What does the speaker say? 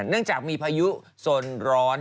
เนื่องจากมีพายุโซนร้อน